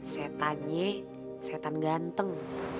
setannya setan ganteng